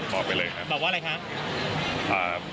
บอกว่าอะไรครับ